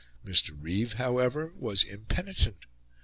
Mr. Reeve, however, was impenitent.